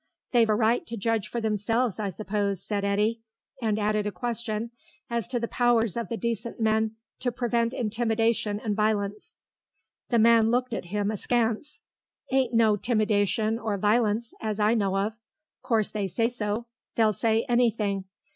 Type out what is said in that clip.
"They've a right to judge for themselves, I suppose," said Eddy, and added a question as to the powers of the decent men to prevent intimidation and violence. The man looked at him askance. "Ain't no 'timidation or violence, as I know of. 'Course they say so; they'll say anything.